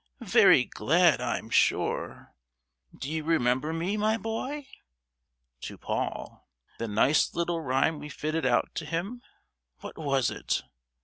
Very glad, I'm sure. Do you remember, my boy," (to Paul) "the nice little rhyme we fitted out to him? What was it?"